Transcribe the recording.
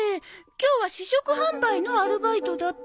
今日は試食販売のアルバイトだと。